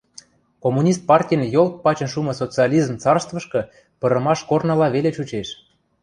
Коммунист партин йолт пачын шумы социализм царствышкы пырымаш корныла веле чучеш.